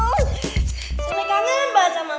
suling kangen bahasa mama